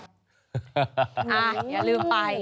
อ้าอย่าลืมไป